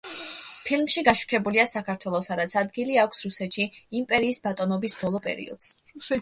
ფილმში გაშუქებულია საქართველო, სადაც ადგილი აქვს რუსეთის იმპერიის ბატონობის ბოლო პერიოდს.